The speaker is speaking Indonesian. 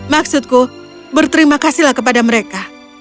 maksudku berterima kasihlah kepada mereka